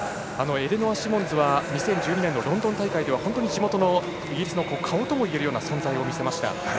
エレノア・シモンズは２０１２年ロンドン大会では本当に地元のイギリスの顔ともいえるような存在を見せました。